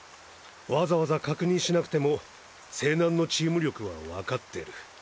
わざわざ確認しなくても勢南のチーム力はわかってる。